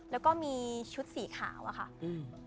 แล้วก็มีชุดสีขาวอะค่ะอืม